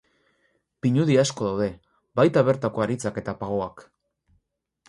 Pinudi asko daude, baita bertako haritzak eta pagoak.